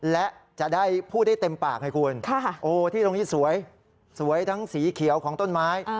และจะได้พูดได้เต็มปากให้คุณโอ้ที่ตรงนี้สวยสวยทั้งสีเขียวของต้นไม้